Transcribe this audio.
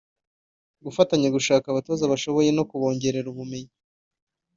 gufatanya gushaka abatoza bashoboye no kubongerera ubumenyi